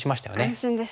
安心ですね。